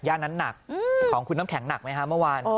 นั้นหนักของคุณน้ำแข็งหนักไหมฮะเมื่อวาน